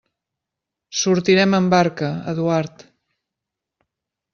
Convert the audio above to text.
Sortirem amb barca, Eduard.